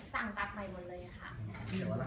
ถ่างตักหมายหมดเลยอ่ะค่ะ